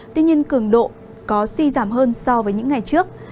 tuy nhiên cường độ có suy giảm hơn so với những ngày trước